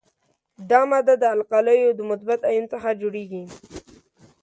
دا ماده د القلیو د مثبت آیون څخه جوړیږي.